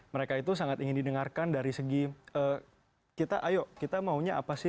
mereka itu sangat ingin didengarkan dari segi kita ayo kita maunya apa sih